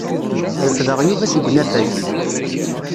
Refdeɣ Yuba seg unafag.